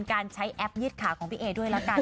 กว่าเป้องการใช้แอพยืดข่าของพี่เอด้วยแล้วกัน